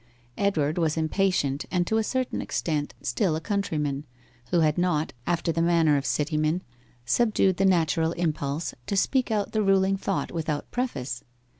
Edward was impatient, and to a certain extent still a countryman, who had not, after the manner of city men, subdued the natural impulse to speak out the ruling thought without preface.